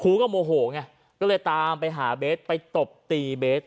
ก็โมโหไงก็เลยตามไปหาเบสไปตบตีเบส